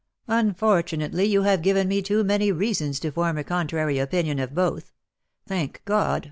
"Unfortunately, you have given me too many reasons to form a contrary opinion of both. Thank God!